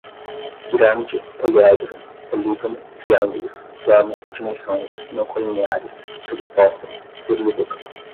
pirâmide, poliedro, polígono, triângulos, plano, dimensões, não colineares, sobrepostas, plurívoca